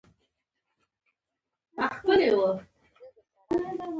ایمان د ذهن تر ټولو مهم عنصر دی